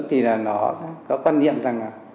thì nó có quan niệm rằng